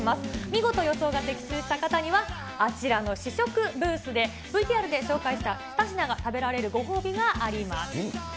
見事予想が的中した方には、あちらの試食ブースで、ＶＴＲで紹介した２品が食べられるご褒美があります。